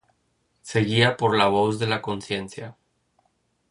Se guía por la voz de la conciencia.